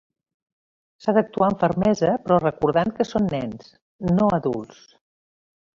S'ha d'actuar amb fermesa però recordant que són nens, no adults.